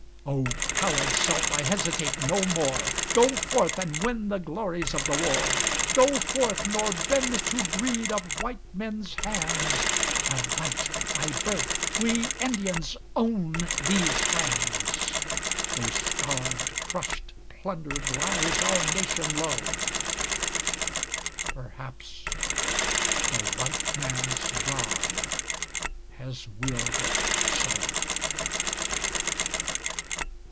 O! coward self I hesitate no more; Go forth, and win the glories of the war. Go forth, nor bend to greed of white men's hands, By right, by birth we Indians own these lands, Though starved, crushed, plundered, lies our nation low... Perhaps the white man's God has willed it so.